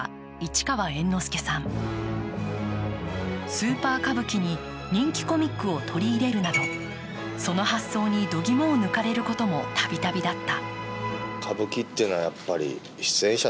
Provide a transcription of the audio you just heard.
スーパー歌舞伎に人気コミックを取り入れるなどその発想にどぎもを抜かれることもたびたびだった。